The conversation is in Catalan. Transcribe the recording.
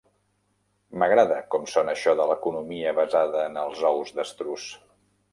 M'agrada com sona això de l'economia basada en els ous d'estruç.